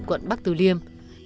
quận bắc từ liêm